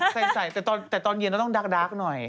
ใส่แต่ตอนเย็นเราต้องดักหน่อย